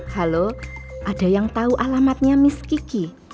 halo ada yang tahu alamatnya miss kiki